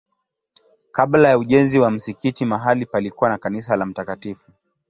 Kabla ya ujenzi wa msikiti mahali palikuwa na kanisa la Mt.